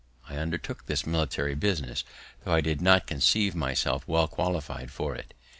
I undertook this military business, tho' I did not conceive myself well qualified for it.